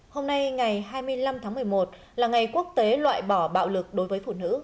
hôm nay ngày hai mươi năm tháng một mươi một là ngày quốc tế loại bỏ bạo lực đối với phụ nữ